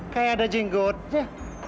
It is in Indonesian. kayak ada jenggotnya